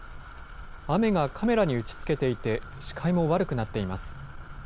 雨がカメラに打ちつけていて視界も悪くなっています。